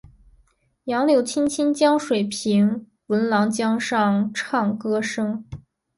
杨柳青青江水平，闻郎江上唱歌声。